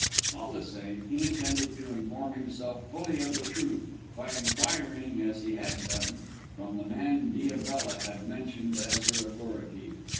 All the same, he intended to inform himself fully of the truth by inquiring, as he had done, from the man Diabella had mentioned as her authority.